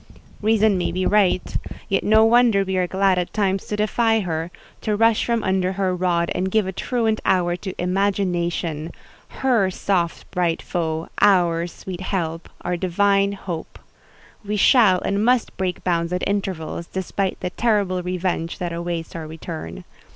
Reason might be right; yet no wonder we are glad at times to defy her, to rush from under her rod and give a truant hour to Imagination—her soft, bright foe, our sweet Help, our divine Hope. We shall and must break bounds at intervals, despite the terrible revenge that awaits our return.